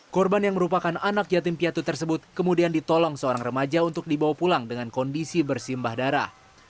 korban yang merupakan anak jatim piatu tersebut kemudian ditolong seorang remaja untuk dibawa pulang dengan kondisi bersimbah darah